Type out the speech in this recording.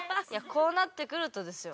こうなってくるとですよ。